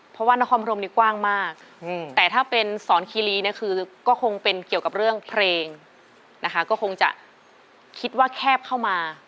เพราะว่านครพรมนี้กว้างมากแต่ถ้าเป็นสอนคีรีเนี่ยคือก็คงเป็นเกี่ยวกับเรื่องเพลงนะคะก็คงจะคิดว่าแคบเข้ามา